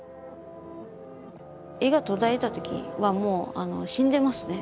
絵が途絶えた時はもう死んでますね。